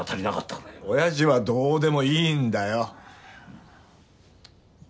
おやじはどうでもいいんだよ！